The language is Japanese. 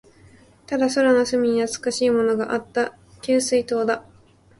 ただ、空の隅に懐かしいものがあった。給水塔だ。